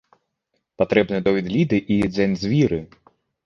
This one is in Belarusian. патрэбны дойліды і дзеньдзівіры.